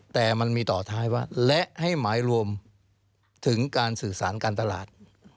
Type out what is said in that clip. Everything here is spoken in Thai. แต่มันมีต่อท้ายว่าและให้หมายรวมถึงการสื่อสารการตลาด